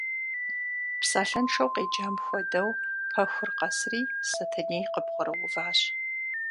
Псалъэншэу къеджам хуэдэу, пэхур къэсри Сэтэней къыбгъурыуващ.